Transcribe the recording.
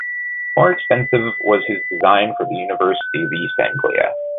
More extensive was his design for the University of East Anglia.